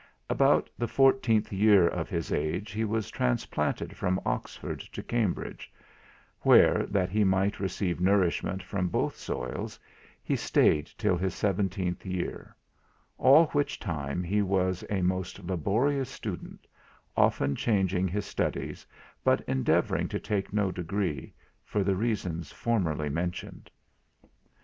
About the fourteenth year of his age he was transplanted from Oxford to Cambridge, where, that he might receive nourishment from both soils, he staid till his seventeenth year; all which time he was a most laborious student, often changing his studies, but endeavouring to take no degree, for the reasons formerly mentioned.